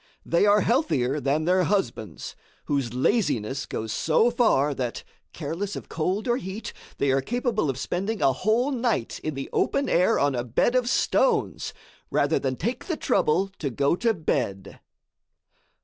They are healthier than their husbands, whose laziness goes so far that, careless of cold or heat, they are capable of spending a whole night in the open air on a bed of stones rather than take the trouble to go to bed.